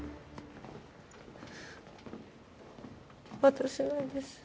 私なんです